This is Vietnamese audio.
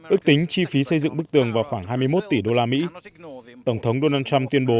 ước tính chi phí xây dựng bức tường vào khoảng hai mươi một tỷ đô la mỹ tổng thống donald trump tuyên bố